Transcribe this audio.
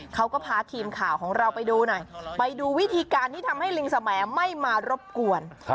เขาก็พาทีมข่าวของเราไปดูหน่อยไปดูวิธีการที่ทำให้ลิงสมัยไม่มารบกวน